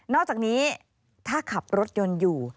อกจากนี้ถ้าขับรถยนต์อยู่